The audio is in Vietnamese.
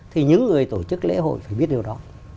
thì những người tổ chức lễ hội phải biết điều đó